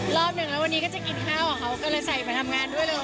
รอบหนึ่งแล้ววันนี้ก็จะกินข้าวกับเขาก็เลยใส่ไปทำงานด้วยเลย